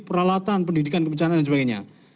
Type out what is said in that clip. peralatan pendidikan kebencanaan dan sebagainya